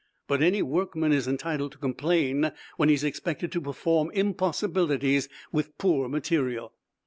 But any workman is entitled to complain when he's expected to perform impossibilities with poor material."